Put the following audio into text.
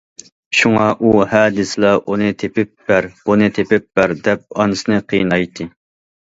شۇڭا ئۇ ھە دېسىلا ئۇنى تېپىپ بەر، بۇنى تېپىپ بەر دەپ ئانىسىنى قىينايتتى.